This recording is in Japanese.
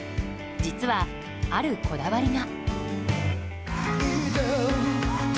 実は、あるこだわりが。